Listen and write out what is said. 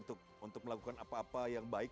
untuk melakukan apa apa yang baik